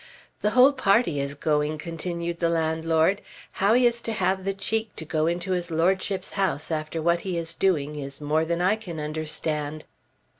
"The whole party is going," continued the landlord. "How he is to have the cheek to go into his Lordship's house after what he is doing is more than I can understand."